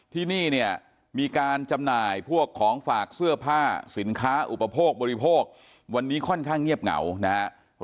ที่นี่เนี่ยมีการจำหน่ายพวกของฝากเสื้อผ้าสินค้าอุปโภคบริโภควันนี้ค่อนข้างเงียบเหงานะครับ